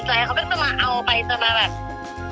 เขาก็จะมาเอาไปจะมาแบบ